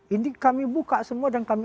ini kami buka semua dan kami